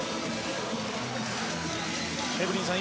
エブリンさん